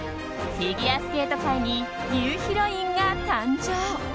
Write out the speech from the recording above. フィギュアスケート界にニューヒロインが誕生！